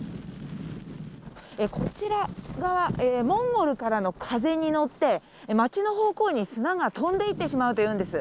こちら側、モンゴルからの風に乗って、街の方向に砂が飛んでいってしまうというんです。